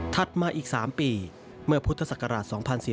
ถัดมาอีกสามปีเมื่อพุทธศักราช๒๔๙๘